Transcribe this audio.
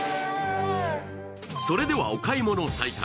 それではお買い物再開。